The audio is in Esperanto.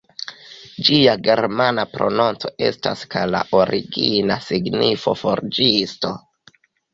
Ĝia germana prononco estas kaj la origina signifo "forĝisto".